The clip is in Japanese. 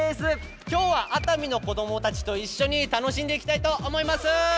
今日は熱海の子どもたちと一緒に楽しんでいきたいと思います。